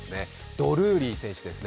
ドルーリー選手ですね。